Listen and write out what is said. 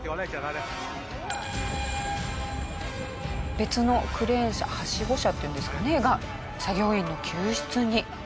別のクレーン車はしご車っていうんですかね。が作業員の救出に。